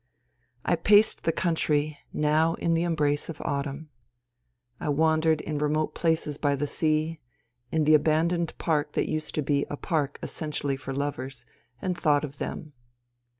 I paced the country, now in the embrace of autumn. I wandered in remote places by the sea, in the abandoned park that used to be a park essentially for lovers, and thought of them.